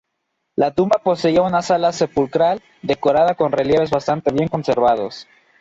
La tumba poseía una sala sepulcral, decorada con relieves bastante bien conservados.